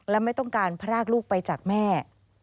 และไม่ต้องการพรากลูกไปจากแม่